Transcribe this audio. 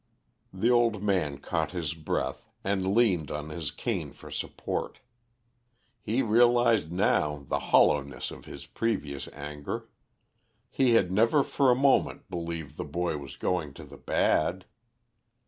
The old man caught his breath, and leaned on his cane for support. He realised now the hollowness of his previous anger. He had never for a moment believed the boy was going to the bad.